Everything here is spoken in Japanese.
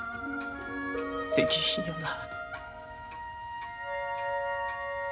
できひんよな。